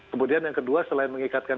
kemudian yang kedua selain mengikatkan